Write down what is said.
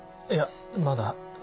いやまだ。